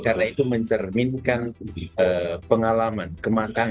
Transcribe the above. karena itu mencerminkan pengalaman